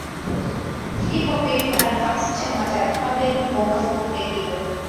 hivyo kuipa nafasi chama cha republican kuongoza bunge hilo